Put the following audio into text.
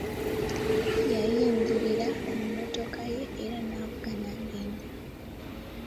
Yayingirira mu mmotoka ye era n'avuga n'agenda.